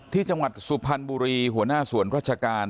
จังหวัดสุพรรณบุรีหัวหน้าส่วนราชการ